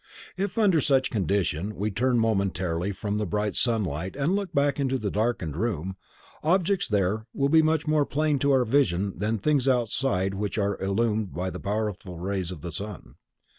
If under such a condition we turn momentarily from the bright sunlight and look back into the darkened room, objects there will be much more plain to our vision than things outside which are illumined by the powerful rays of the sun.